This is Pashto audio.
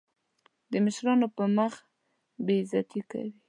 د مشرانو په مخ بې عزتي کوي.